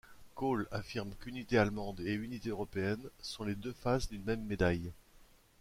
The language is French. Kohl affirme qu'unité allemande et unité européenne sont les deux faces d'une même médaille.